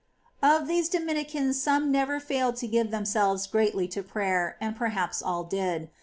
14. Of these Dominicans some never failed to give them selves greatly to prayer, and perhaps all did.